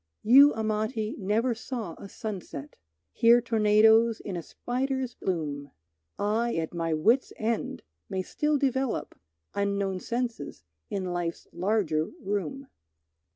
You, Amati, never saw a sunset, Hear tornadoes in a spider's loom; I, at my wits' end, may still develop Unknown senses in life's larger room.